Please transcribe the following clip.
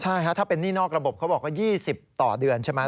ใช่ถ้าเป็นหนี้นอกระบบเขาบอกว่า๒๐ต่อเดือนใช่ไหม